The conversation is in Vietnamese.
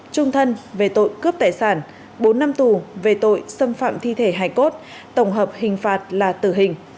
trung thân về tội cướp tài sản bốn năm tù về tội xâm phạm thi thể hải cốt tổng hợp hình phạt là tử hình